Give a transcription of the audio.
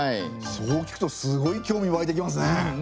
そう聞くとすごい興味わいてきますね。